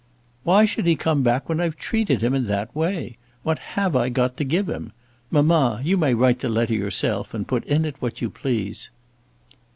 "Why should he come back when I've treated him in that way? What have I got to give him? Mamma, you may write the letter yourself, and put in it what you please."